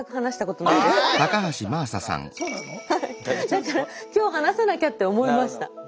だから今日話さなきゃって思いました。